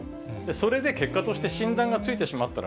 それで、結果として診断がついてしまった。